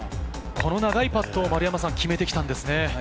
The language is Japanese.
この長いパットを決めてきたんです。